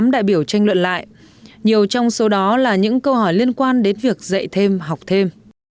tám đại biểu tranh luận lại nhiều trong số đó là những câu hỏi liên quan đến việc dạy thêm học thêm